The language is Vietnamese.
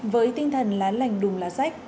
với tinh thần lá lành đùng lá sách